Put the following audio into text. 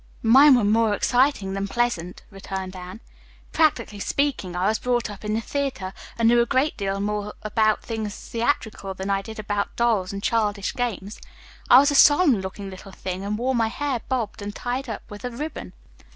"Mine was more exciting than pleasant," returned Anne. "Practically speaking, I was brought up in the theatre and knew a great deal more about things theatrical than I did about dolls and childish games. I was a solemn looking little thing and wore my hair bobbed and tied up with a ribbon.